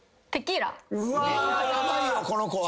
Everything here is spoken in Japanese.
うわーヤバいよこの子は。